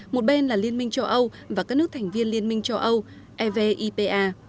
một bên là liên minh cho âu và các nước thành viên liên minh cho âu evipa